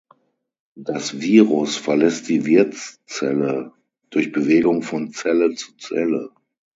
Das Virus verlässt die Wirtszelle durch Bewegung von Zelle zu Zelle.